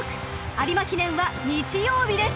［有馬記念は日曜日です］